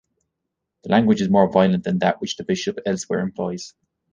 The language is more violent than that which the bishop elsewhere employs.